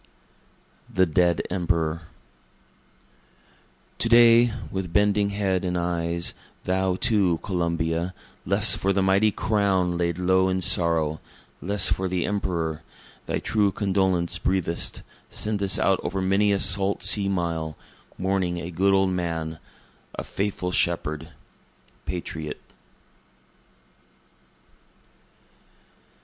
The Dead Emperor To day, with bending head and eyes, thou, too, Columbia, Less for the mighty crown laid low in sorrow less for the Emperor, Thy true condolence breathest, sendest out o'er many a salt sea mile, Mourning a good old man a faithful shepherd, patriot.